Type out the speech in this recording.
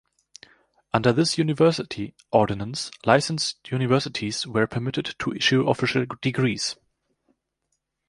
Under this University Ordinance, licensed universities were permitted to issue official degrees.